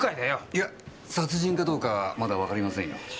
いや殺人かどうかまだわかりませんよ。